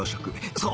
そう！